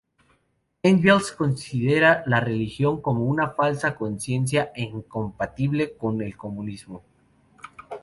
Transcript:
Engels considera la religión como una falsa conciencia, e incompatible con el comunismo.